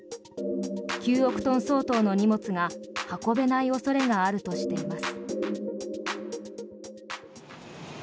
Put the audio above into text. ９億トン相当の荷物が運べない恐れがあるとしています。